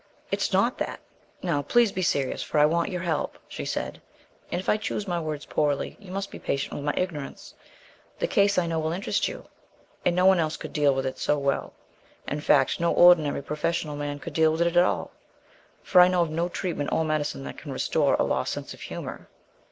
"It's not that; now, please, be serious, for I want your help," she said; "and if I choose my words poorly you must be patient with my ignorance. The case I know will interest you, and no one else could deal with it so well. In fact, no ordinary professional man could deal with it at all, for I know of no treatment or medicine that can restore a lost sense of humour!"